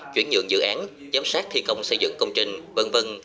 chuyển nhượng dự án giám sát thi công xây dựng công trình v v